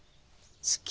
好き？